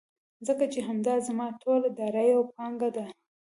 ځکه چې همدا زما ټوله دارايي او پانګه ده.